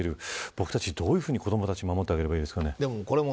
僕たち、どういうふうに子どもたちを守ればいいですかね。